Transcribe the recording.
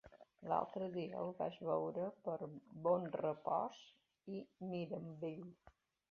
L'altre dia el vaig veure per Bonrepòs i Mirambell.